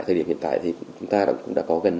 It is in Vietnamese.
thời điểm hiện tại thì chúng ta cũng đã có gần